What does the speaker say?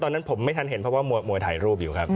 ตอนนั้นผมไม่ทันเห็นเพราะว่ามวยถ่ายรูปอยู่ครับ